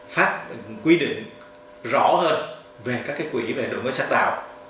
phát quy định rõ hơn về các quỹ đổi mới sáng tạo